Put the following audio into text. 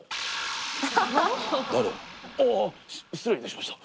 失礼いたしました。